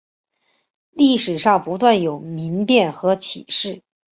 历史上不断有民变和起事。